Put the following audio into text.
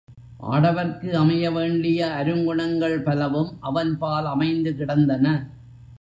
ஆடவர்க்கு அமைய வேண்டிய அருங்குணங்கள் பலவும் அவன்பால் அமைந்து கிடந்தன.